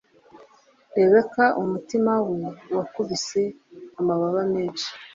Rebecca umutima we wakubise amababa menshi